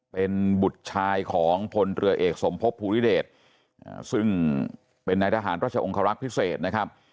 เป็นบุตรชายของพลเรือเอกสมภพภูริเดชซึ่งเป็นนายทหารราชองคารักษ์พิเศษนะครับ